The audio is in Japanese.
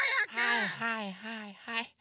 はいはいはいはい。